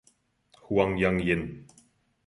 Huang Yang Yin.